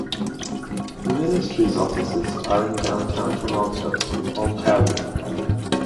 The Ministry's offices are in downtown Toronto, Ontario.